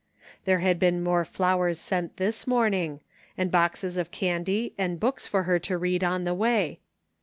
^ There had been more flowers sent this morning, and boxes of candy and books for her to read on the way.